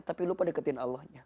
tapi lupa deketin allahnya